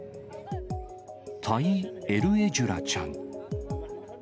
タイ・エルエジュラちゃん。